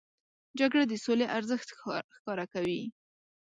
جګړه د سولې ارزښت ښکاره کوي